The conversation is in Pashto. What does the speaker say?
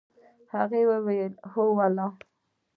هغه وويل هو ولې.